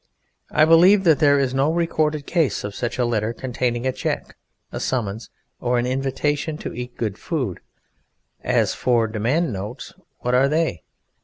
I believe that there is no recorded case of such a letter containing a cheque, a summons, or an invitation to eat good food, and as for demand notes, what are they?